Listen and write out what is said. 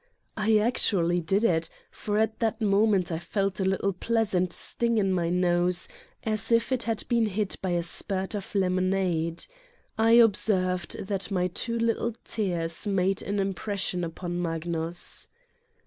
I actually did it, for at that moment I felt a little pleasant sting in my nose, as if it had been hit by a spurt of lemonade. I observed that my two little tears made an impression upon Magnus.